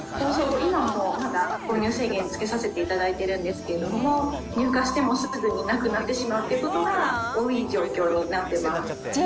今もまだ購入制限つけさせていただいているんですけど、入荷してもすぐになくなってしまうということが多い状況になってじゃあ